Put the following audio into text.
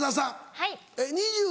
はい。